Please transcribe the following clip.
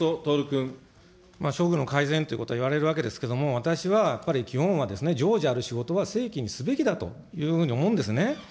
処遇の改善ということは言われるわけですけれども、私はやっぱり、基本は常時ある仕事は正規にすべきだというふうに思うんですね。